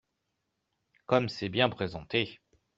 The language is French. Comme c’est bien présenté